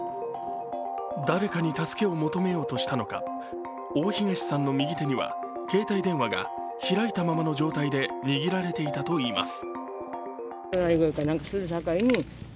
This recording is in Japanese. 誰かに助けを求めようとしたのか、大東さんの右手には携帯電話が開いたままの状態で握られていたといいます。